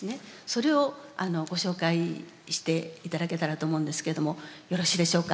それをご紹介して頂けたらと思うんですけどもよろしいでしょうか。